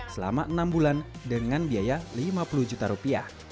selama enam bulan dengan biaya rp lima